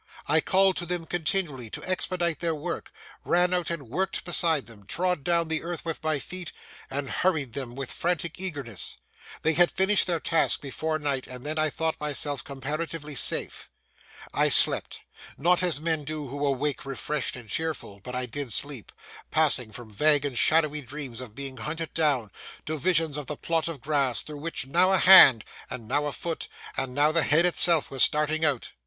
I called to them continually to expedite their work, ran out and worked beside them, trod down the earth with my feet, and hurried them with frantic eagerness. They had finished their task before night, and then I thought myself comparatively safe. I slept,—not as men do who awake refreshed and cheerful, but I did sleep, passing from vague and shadowy dreams of being hunted down, to visions of the plot of grass, through which now a hand, and now a foot, and now the head itself was starting out.